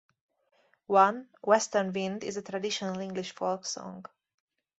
One, "Western Wind", is a traditional English folk song.